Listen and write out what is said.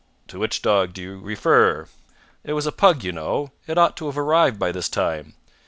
"To which dog do you refer?" "It was a pug, you know. It ought to have arrived by this time."